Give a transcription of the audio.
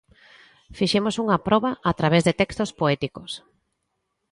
Fixemos unha proba a través de textos poéticos.